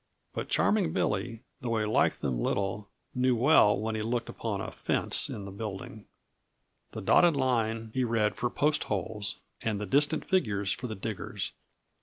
But Charming Billy, though he liked them little, knew well when he looked upon a fence in the building. The dotted line he read for post holes and the distant figures for the diggers.